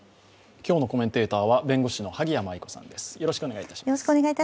今日のコメンテーターは弁護士の萩谷麻衣子さんです。